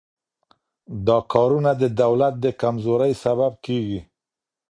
دا کارونه د دولت د کمزورۍ سبب کیږي.